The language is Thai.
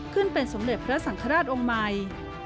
ขึ้นเป็นสมเด็จพระสังฆราชองค์ใหม่